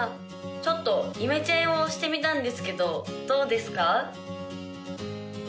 ちょっとイメチェンをしてみたんですけどどうですか？